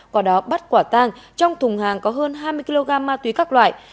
có đó bắt quả tăng trong thùng hàng có hơn hai mươi kg ma túy các loại